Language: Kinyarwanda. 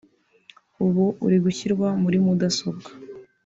ubu iri gushyirwa muri mudasobwa